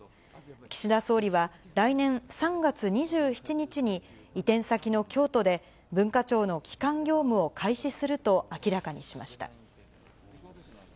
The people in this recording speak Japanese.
岸田総理は、来年３月２７日に、移転先の京都で、文化庁の基幹業務を開始すると明らかにしました。